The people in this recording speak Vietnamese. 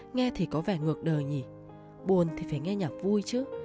nghe thì có vẻ ngược đời nhì buồn thì phải nghe nhạc vui chứ